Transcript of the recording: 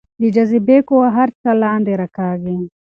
د جاذبې قوه هر څه لاندې راکاږي.